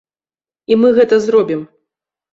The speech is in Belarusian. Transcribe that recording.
І мы гэта зробім.